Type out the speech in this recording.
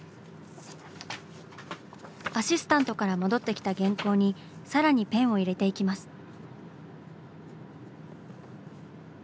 アシスタントから戻ってきた原稿にさらにペンを入れていきます。